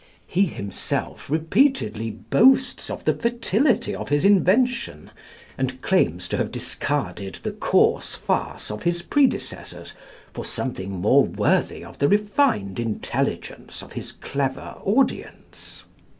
He himself repeatedly boasts of the fertility of his invention, and claims to have discarded the coarse farce of his predecessors for something more worthy of the refined intelligence of his clever audience.